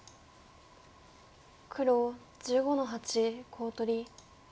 黒１５の八コウ取り。